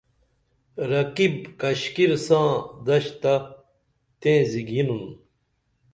رقیب کشکِر ساں دشت تہ تیں زِگینُن